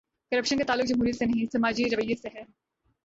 Corruption کا تعلق جمہوریت سے نہیں، سماجی رویے سے ہے۔